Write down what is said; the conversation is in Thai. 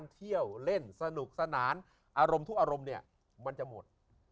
เที่ยวเล่นสนุกสนานอารมณ์ทุกอารมณ์เนี่ยมันจะหมด